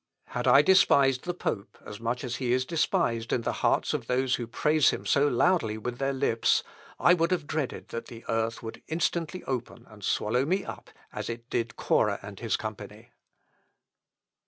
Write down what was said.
Had I despised the pope as much as he is despised in the hearts of those who praise him so loudly with their lips, I would have dreaded that the earth would instantly open and swallow me up as it did Corah and his company!"